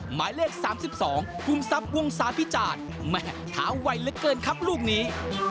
หมายเลข๓๒ภูมิทรัพย์วงศาพิจารณ์แม่เท้าไวเหลือเกินครับลูกนี้